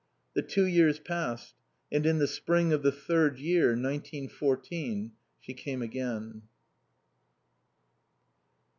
The two years passed, and in the spring of the third year, nineteen fourteen, she came again.